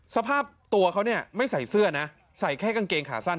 สภาพตัวเขาเนี่ยไม่ใส่เสื้อนะใส่แค่กางเกงขาสั้น